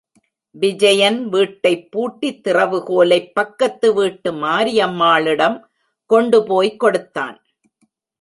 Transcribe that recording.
விஜயன் வீட்டைப் பூட்டி திறவு கோலை பக்கத்து வீட்டு மாரியம்மாளிடம் கொண்டுபோய் கொடுத்தான்.